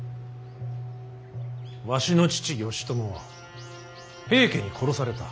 わしの父義朝は平家に殺された。